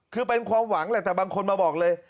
คือเป็นความหวังแหละแต่บางคนมาบอกเลย